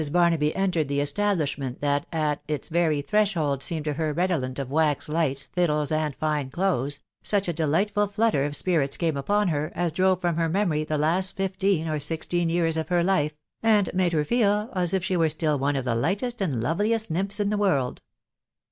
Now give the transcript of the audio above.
Barnaby entered the establishment that at ita very threshold seemed to her redolent of wax lights, fiddles, and fine clothes, such a delightful flutter of spirits came upon her, as drove from her memory the last fifteen or sixteen years of her life, and made her feel as if she were stiW one of &e V\^xesX loveliest nymphs in the world.